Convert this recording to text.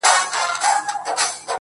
ما د وحشت په زمانه کي زندگې کړې ده